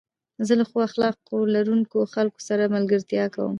زه له ښو اخلاق لرونکو خلکو سره ملګرتيا کوم.